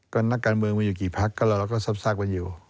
ก็นักการเมืองมีอยู่กี่พักก็เราก็ซับไปอยู่